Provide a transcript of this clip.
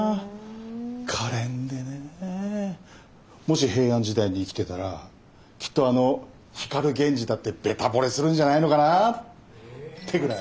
可憐でねぇもし平安時代に生きてたらきっとあの光源氏だってベタ惚れするんじゃないのかなってぐらい。